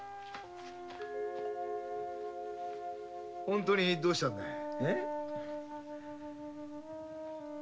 本当にどうしたんだい？